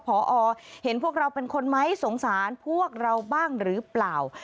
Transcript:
พอเห็นพวกเราเป็นคนไหมสงสารพวกเราบ้างหรือเปล่า